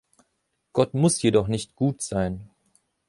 Gott muss jedoch nicht "gut" sein.